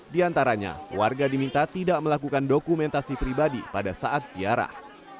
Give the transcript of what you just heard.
di antaranya warga diminta tidak melakukan dokumentasi pribadi pada saat ziarah